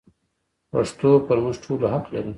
پښتو پر موږ ټولو حق لري.